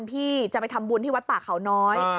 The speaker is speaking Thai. พี่จะไปทำบุญที่วัดป่าเขาน้อย